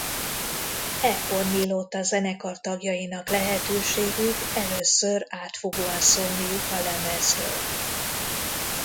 Ekkor nyílott a zenekar tagjainak lehetőségük először átfogóan szólniuk a lemezről.